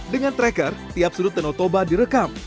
dengan tracker tiap sudut tenotoba direkam